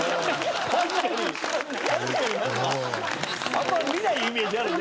あんま見ないイメージあるよね